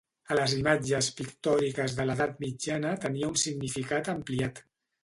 A les imatges pictòriques de l’edat mitjana tenia un significat ampliat.